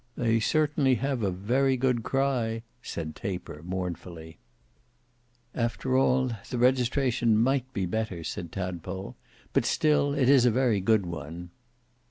"They certainly have a very good cry," said Taper mournfully. "After all, the registration might be better," said Tadpole, "but still it is a very good one."